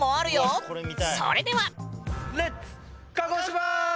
それでは。